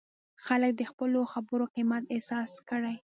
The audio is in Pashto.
خلک دې د خپلو خبرو قیمت احساس کړي.